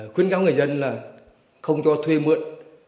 khuyến cáo người dân là không cho thuê mượn